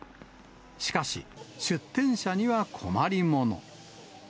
しかし、出店者には困りもの。